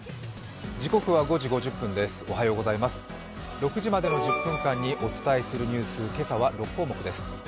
６時までの１０分間にお伝えするニュース、今朝は６項目です。